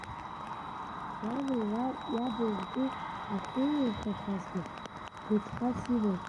Иани иаби ргәы ахьынирхахьазгьы гәыҵхас иман.